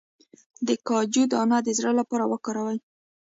د کاجو دانه د زړه لپاره وکاروئ